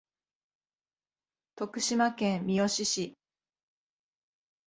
徳島県三好市